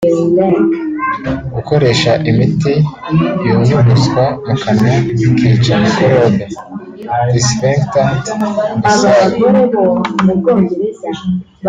Gukoresha imiti yunyuguzwa mu kanwa ikica mikorobe (disinfectant buccale)